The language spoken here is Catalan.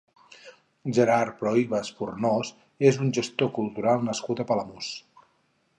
Gerard Prohias Fornós és un gestor cultural nascut a Palamós.